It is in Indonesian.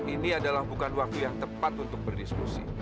ini adalah bukan waktu yang tepat untuk berdiskusi